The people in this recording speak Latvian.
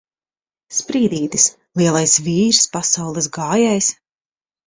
Sprīdītis! Lielais vīrs! Pasaules gājējs!